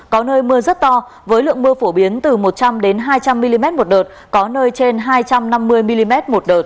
có nơi mưa rất to với lượng mưa phổ biến từ một trăm linh hai trăm linh mm một đợt có nơi trên hai trăm năm mươi mm một đợt